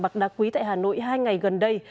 bạc đa quý tại hà nội hai ngày gần đây